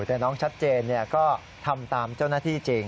แต่น้องชัดเจนก็ทำตามเจ้าหน้าที่จริง